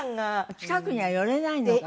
近くには寄れないのか。